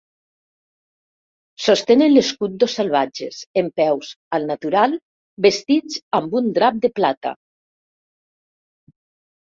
Sostenen l'escut dos salvatges, en peus, al natural, vestit amb un drap de plata.